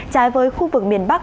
trái với khu vực miền bắc